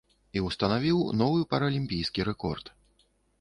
І ўстанавіў новы паралімпійскі рэкорд.